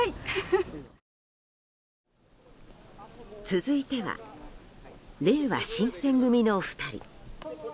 続いてはれいわ新選組の２人。